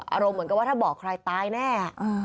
อารมณ์เหมือนกับว่าถ้าบอกใครตายแน่